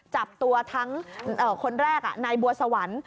จับตัวทั้งคนแรกนายบัวสวรรค์